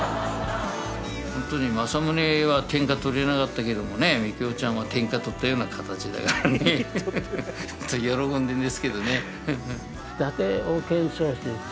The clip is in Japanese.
政宗は天下とれなかったけど幹生ちゃんは天下とったような形だからね喜んでんですけどね。